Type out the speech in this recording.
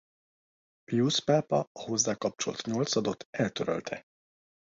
Piusz pápa a hozzá kapcsolt nyolcadot eltörölte.